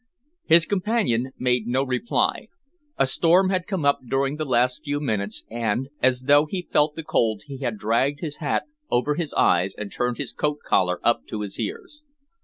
His companion made no reply. A storm had come up during the last few minutes, and, as though he felt the cold, he had dragged his hat over his eyes and turned his coat collar up to his ears.